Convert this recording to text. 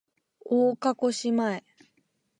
大岡越前